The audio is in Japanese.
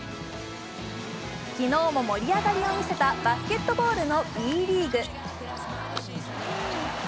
昨日も盛り上がりを見せたバスケットボールのＢリーグ。